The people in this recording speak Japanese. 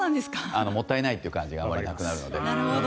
もったいないという感じがあまりなくなるので。